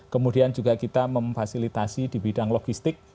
kemudian juga kita memfasilitasi di bidang logistik